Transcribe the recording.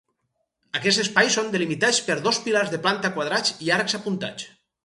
Aquests espais són delimitats per dos pilars de planta quadrats i arcs apuntats.